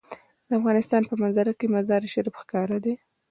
د افغانستان په منظره کې مزارشریف ښکاره ده.